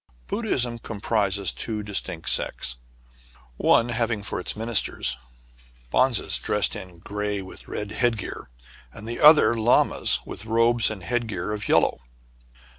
Buddhism comprises two distinct sects, — one having for its ministers bonzes dressed in gray with red head gear ; and the other, lamas with robes and head gear of yellow.